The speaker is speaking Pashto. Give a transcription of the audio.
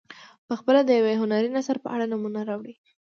پخپله د یو هنري نثر په اړه نمونه راوړي.